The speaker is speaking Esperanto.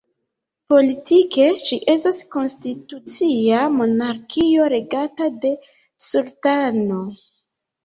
Politike ĝi estas konstitucia monarkio regata de sultano.